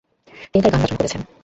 তিনি তার গান রচনা করেছেন।